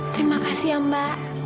terima kasih mbak